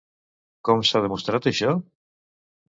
Com s'ha demostrat, això?